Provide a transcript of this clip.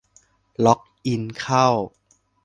ล็อกอินเข้า